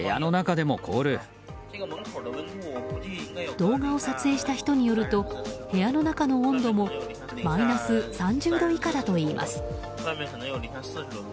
動画を撮影した人によると部屋の中の温度もマイナス３０度以下だといいます。